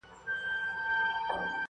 غلیم کور په کور حلوا وېشل پښتونه-